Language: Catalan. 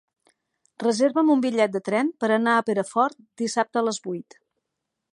Reserva'm un bitllet de tren per anar a Perafort dissabte a les vuit.